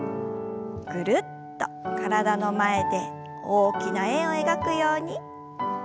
ぐるっと体の前で大きな円を描くように。